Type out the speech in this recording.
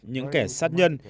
những kẻ sát nhân